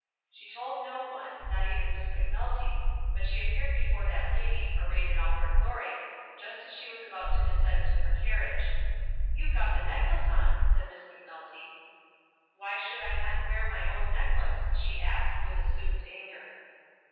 She told no one, not even Miss Macnulty; but she appeared before that lady, arrayed in all her glory, just as she was about to descend to her carriage. "You've got the necklace on!" said Miss Macnulty. "Why should I not wear my own necklace?" she asked, with assumed anger.